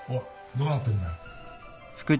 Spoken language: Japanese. どうなってんだよ。